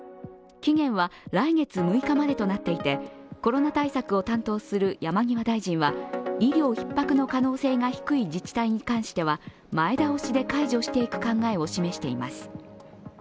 期限は来月６日までとなっていてコロナ対策を担当する山際大臣は医療ひっ迫の可能性が低い自治体に関しては前倒しで解除していく考えを示しています。